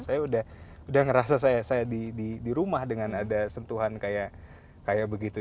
saya udah ngerasa saya di rumah dengan ada sentuhan kayak begitu